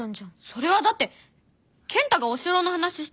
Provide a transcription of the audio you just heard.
それはだって健太がお城の話したからじゃん！